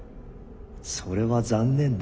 それは残念だ。